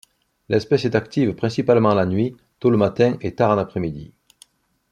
L'espèce est active principalement la nuit, tôt le matin et tard en après-midi.